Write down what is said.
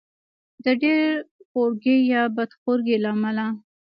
د ډېر خورګۍ یا بد خورګۍ له امله.